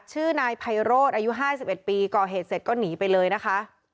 ชื่อนายไพโรธอายุ๕๑ปีก่อเหตุเสร็จก็หนีไปเลยนะคะ